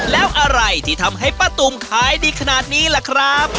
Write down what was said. แล้วอะไรที่ทำให้ป้าตุ๋มขายดีขนาดนี้ล่ะครับ